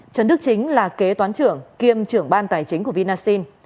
trần đức chính là kế toán trưởng kiêm trưởng ban tài chính của vinasin